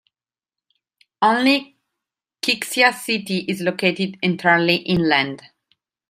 Only Qixia City is located entirely inland.